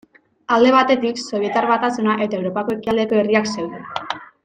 Alde batetik Sobietar Batasuna eta Europa ekialdeko herriak zeuden.